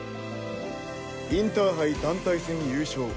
インターハイ団体戦優勝。